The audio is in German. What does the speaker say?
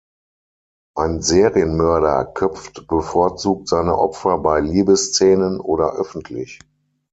Ein Serienmörder köpft bevorzugt seine Opfer bei Liebesszenen oder öffentlich.